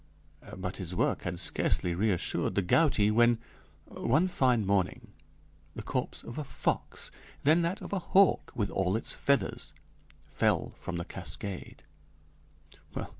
But his work had scarcely reassured the gouty when, one fine morning, the corpse of a fox, then that of a hawk with all its feathers, fell from the cascade.